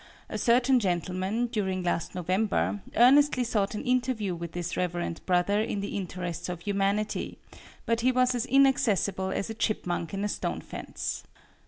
A certain gentleman, during last November, earnestly sought an interview with this reverend brother in the interests of humanity, but he was as inaccessible as a chipmunk in a stone fence.